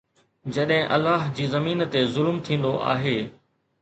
جڏهن الله جي زمين تي ظلم ٿيندو آهي